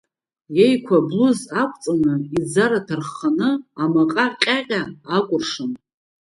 Иеиқәа аблуз ақәҵаны, иӡара ҭархханы амаҟаҟьаҟьа акәыршан.